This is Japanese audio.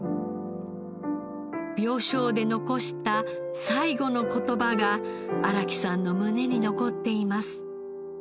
病床で残した最期の言葉が荒木さんの胸に残っています。